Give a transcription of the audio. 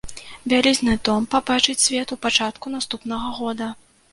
Вялізны том пабачыць свет у пачатку наступнага года.